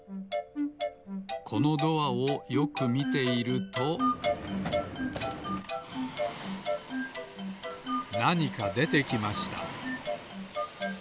このドアをよくみているとなにかでてきました